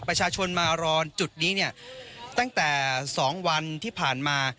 ประชาชนมารอจุดนี้เนี่ยตั้งแต่๒วันที่ผ่านมา